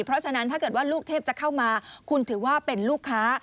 เพราะฉะนั้นถ้าเกิดว่าลูกเทพจะเข้ามาคุณถือว่าเป็นลูกค้า